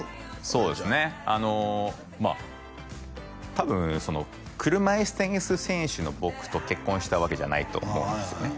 そうですねまあ多分車いすテニス選手の僕と結婚したわけじゃないと思うんですよね